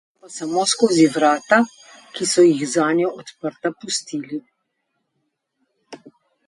Nesreča vstopa samo skozi vrata, ki so jih zanjo odprta pustili.